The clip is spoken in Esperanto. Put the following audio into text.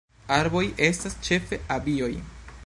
Arboj estas ĉefe abioj.